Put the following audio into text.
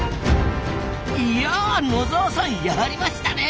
いや野澤さんやりましたねえ！